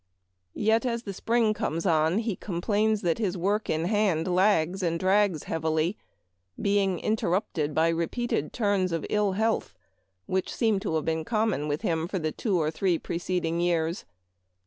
Yet as the spring comes on he complains that his work in hand lags and drags heavily, being interrupted by repeated turns of ill health, which seem to have been common with him for the two or three preceding years.